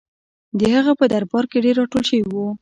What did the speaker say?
د هغه په درباره کې ډېر راټول شوي وو.